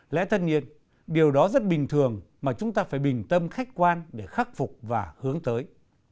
lẽ tất nhiên điều đó rất bình thường mà chúng ta phải bình tâm khách quan để khắc phục và hướng tới